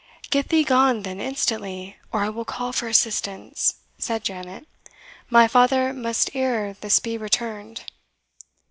"Get thee gone then instantly, or I will call for assistance," said Janet; "my father must ere this be returned."